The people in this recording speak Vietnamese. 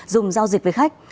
dùng giao dịch với khách